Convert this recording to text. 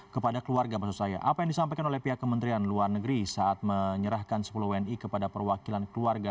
kepada keluarga maksud saya apa yang disampaikan oleh pihak kementerian luar negeri saat menyerahkan sepuluh wni kepada perwakilan keluarga